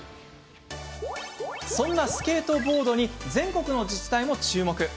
そんなスケートボードに全国の自治体も注目。